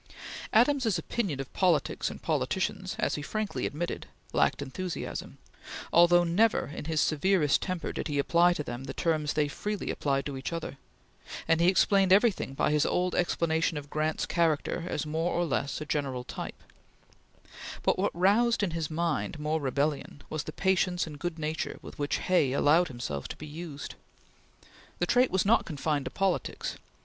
Adams's opinion of politics and politicians, as he frankly admitted, lacked enthusiasm, although never, in his severest temper, did he apply to them the terms they freely applied to each other; and he explained everything by his old explanation of Grant's character as more or less a general type; but what roused in his mind more rebellion was the patience and good nature with which Hay allowed himself to be used. The trait was not confined to politics.